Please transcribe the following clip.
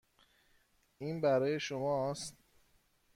این برای شماست.